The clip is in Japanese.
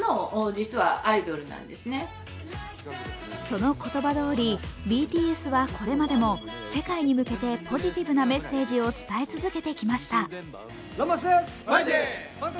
その言葉通りＢＴＳはこれまでも世界に向けてポジティブなメッセージを発信し続けてきました。